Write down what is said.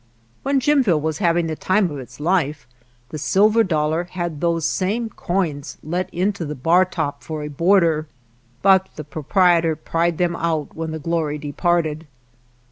When Jimville was having the time of its life the Silver Dollar had those same coins let into the bar top for a border, but the proprietor pried them out when the glory departed.